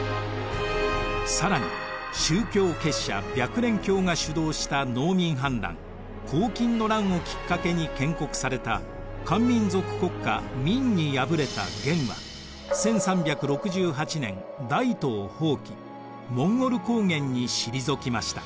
更に宗教結社白蓮教が主導した農民反乱紅巾の乱をきっかけに建国された漢民族国家明にやぶれた元は１３６８年大都を放棄モンゴル高原に退きました。